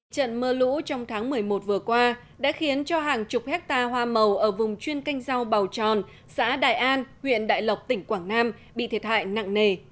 trận mưa lũ trong tháng một mươi một vừa qua đã khiến cho hàng chục hectare hoa màu ở vùng chuyên canh rau bào tròn xã đại an huyện đại lộc tỉnh quảng nam bị thiệt hại nặng nề